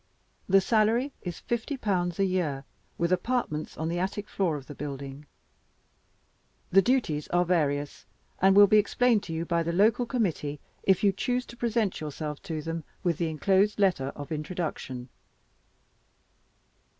The salary is fifty pounds a year, with apartments on the attic floor of the building. The duties are various, and will be explained to you by the local committee, if you choose to present yourself to them with the inclosed letter of introduction.